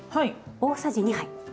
大さじ２杯。